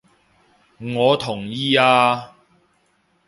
我同意啊！